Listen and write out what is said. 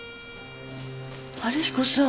春彦さん。